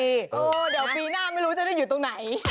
เดี๋ยวปีหน้าไม่รู้จะได้อยู่ตรงไหน